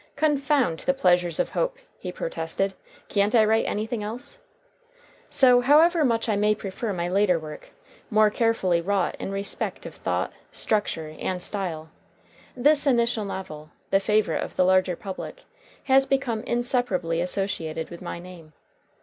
'" "Confound 'The Pleasures of Hope,'" he protested; "can't I write anything else?" So, however much I may prefer my later work, more carefully wrought in respect of thought, structure, and style, this initial novel, the favorite of the larger public, has become inseparably associated with my name.